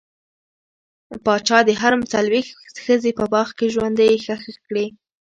پاچا د حرم څلوېښت ښځې په باغ کې ژوندۍ ښخې کړې.